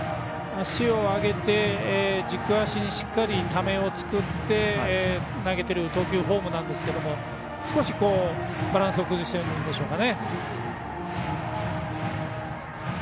足を上げて軸足にしっかりためを作って投げている投球フォームなんですけど少しバランスを崩してるんでしょうか。